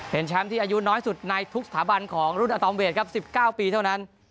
เป็นแชมป์ที่อายุน้อยสุดในทุกสถาบันของรุ่นอาตอมเวทครับ๑๙ปีเท่านั้น